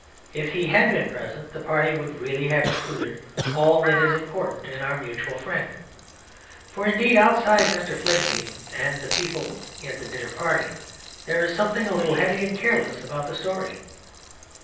If he had been present the party would really have included all that is important in Our Mutual Friend. For indeed, outside Mr. Fledgeby and the people at the dinner party, there is something a little heavy and careless about the story.